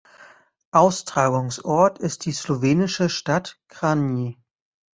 Austragungsort ist die slowenische Stadt Kranj.